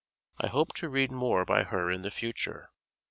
I hope to read more by her in the future.